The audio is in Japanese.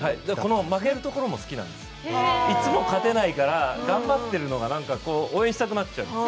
負けるところも好きなんですよ、いつも勝てないから頑張っているのが応援したくなっちゃう。